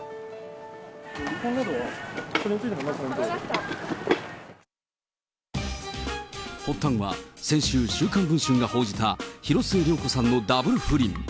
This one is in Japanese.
離婚報道は、発端は、先週、週刊文春が報じた広末涼子さんのダブル不倫。